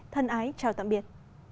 thân ái chào tạm biệt